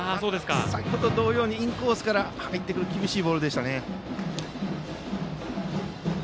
先程同様にインコースから入ってくる厳しいボールでした。